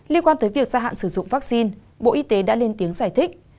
liên quan tới việc gia hạn sử dụng vaccine bộ y tế đã lên tiếng giải thích